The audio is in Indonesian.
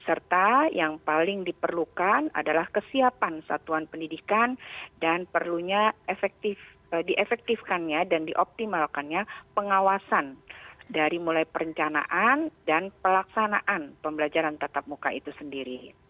serta yang paling diperlukan adalah kesiapan satuan pendidikan dan perlunya diefektifkannya dan dioptimalkannya pengawasan dari mulai perencanaan dan pelaksanaan pembelajaran tatap muka itu sendiri